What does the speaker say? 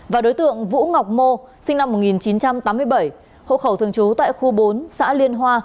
và đối tượng vũ ngọc mô sinh năm một nghìn chín trăm tám mươi bảy hộ khẩu thường trú tại khu bốn xã liên hoa